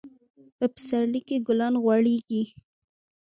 په پسرلي کي ګلان غوړيږي.